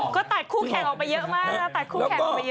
ก็ตัดคู่แข่งออกมาเยอะมากนะ